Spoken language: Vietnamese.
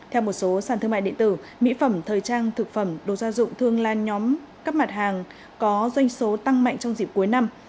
theo một số sản thương mại điện tử mỹ phẩm thời trang thực phẩm đồ gia dụng thường là nhóm các mặt hàng có doanh số tăng mạnh trong dịp cuối năm